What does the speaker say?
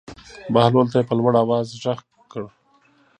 بهلول ته یې په لوړ آواز غږ وکړ.